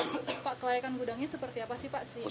pak kelayakan gudangnya seperti apa sih pak